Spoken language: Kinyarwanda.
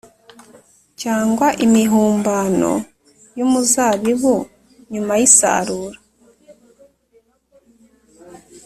cyangwa imihumbano y’umuzabibu, nyuma y’isarura.